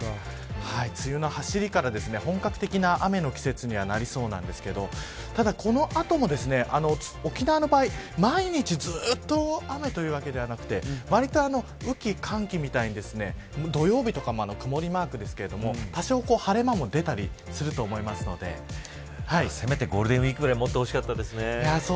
梅雨のはしりから本格的な雨の季節にはなりそうですがただ、この後も沖縄の場合毎日ずっと雨というわけではなくてわりと雨季、寒気みたいに土曜日とかも曇りマークですが多少、晴れ間も出たりすると思いますのでせめてゴールデンウイークぐらいもってほしかったですね